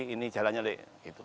ini jalannya leh